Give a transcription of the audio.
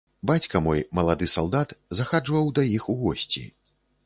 Бацька мой, малады салдат, захаджваў да іх у госці.